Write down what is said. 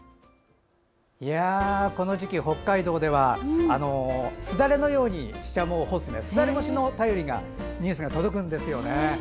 この時期、北海道ではすだれのようにシシャモを干すすだれ干しのニュースが届くんですね。